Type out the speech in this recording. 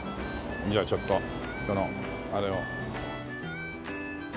じゃあちょっとあれを。